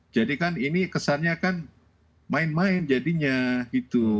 jadi kan ini kesannya kan main main jadinya gitu